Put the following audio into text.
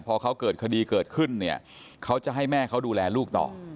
พอเขาเกิดคดีเกิดขึ้นเนี่ยเขาจะให้แม่เขาดูแลลูกต่อ